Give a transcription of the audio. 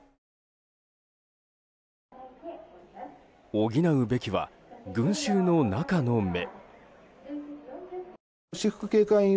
補うべきは群衆の中の目。